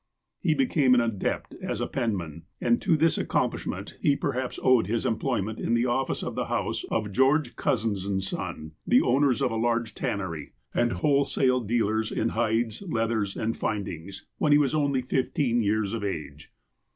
He became an adept as a penman, and to this accom plishment he perhaps owed his employment in the office of the house of George Cousins & Son, the owners of a large tannery, and wholesale dealers in hides, leathers, and findings, when he was only fifteen years of age.